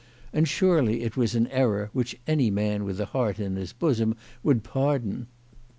And surely it was an error which any man with a heart in his bosom would pardon